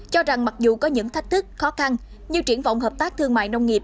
cho rằng mặc dù có những thách thức khó khăn nhưng triển vọng hợp tác thương mại nông nghiệp